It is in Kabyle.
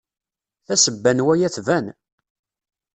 Tasebba n waya tban.